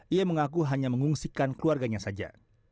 ia mengaku hanya mengungsikan keluarganya saja